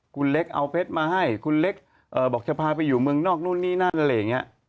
คุณเล็กเอาเพชรมาให้คุณเล็กบอกจะพาไปอยู่เมืองนอกนู่นนี่นั่นอะไรอย่างนี้